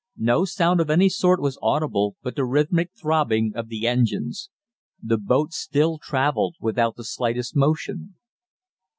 No sound of any sort was audible but the rhythmic throbbing of the engines. The boat still travelled without the slightest motion.